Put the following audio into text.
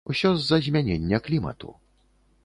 Усё з-за змянення клімату.